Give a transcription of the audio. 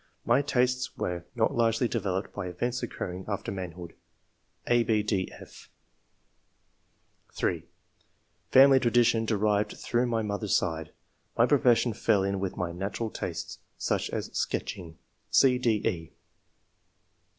My tastes were not largely developed by events occurring after manhood." (a, 6, d,f) (3) "Family tradition derived through my mother's side. My profession fell in with my natural tastes, such as sketching." (c, c?